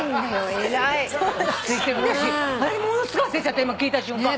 私ものすごい焦っちゃった聞いた瞬間。